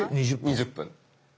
２０分。